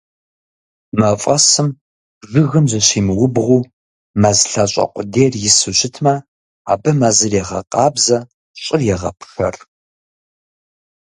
Мафӏэсым жыгым зыщимыубгъуу, мэз лъащӏэ къудейр ису щытмэ, абы мэзыр егъэкъабзэ, щӏыр егъэпшэр.